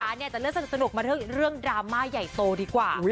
อันนี้จะเลือกสนุกมาเรื่องดราม่าใหญ่โตดีกว่า